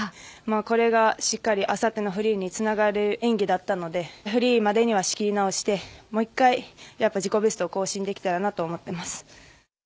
これがしっかりあさってのフリーにつながる演技だったのでフリーまでには仕切り直してもう１回、自己ベストを更新できたらなと思っています。